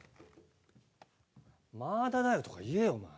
まあだだよとか言えよ。